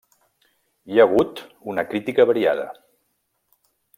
Hi ha hagut una crítica variada.